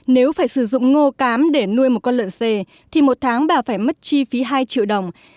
nếu phải sử dụng ngô cám để nuôi một con lợn xề thì một tháng bà phải mất chi phí hai triệu đồng